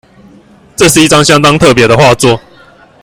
這是一張相當特別的畫作